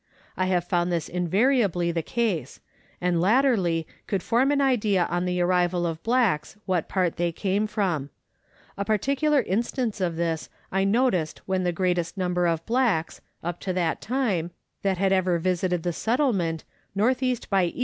I have found this invariably the case, and latterly could form an idea on the arrival of blacks what part they came from. A particular instance of this I noticed when the greatest number of blacks (up to that time) that had ever visited the Settlement was encamped N.E. by E.